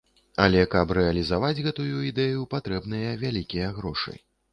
Але каб рэалізаваць гэтую ідэю, патрэбныя вялікія грошы.